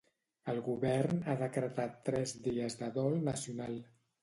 El govern ha decretat tres dies de dol nacional.